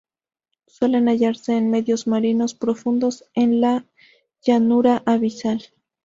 Suelen hallarse en medios marinos profundos, en la llanura abisal.